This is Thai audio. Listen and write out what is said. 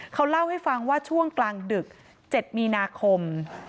เขาเล่าให้ฟังว่าช่วงกลางดึก๗มีนาคม